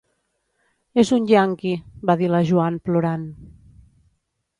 És un ianqui, va dir la Joan plorant.